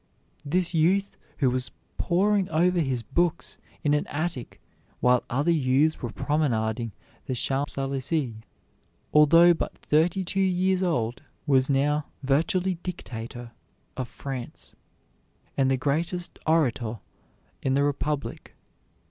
This youth who was poring over his books in an attic while other youths were promenading the Champs Elysées, although but thirty two years old, was now virtually dictator of France, and the greatest orator in the Republic.